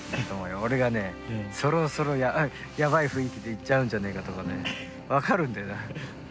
俺がねそろそろやばい雰囲気で行っちゃうんじゃねえかとかね分かるんだよ。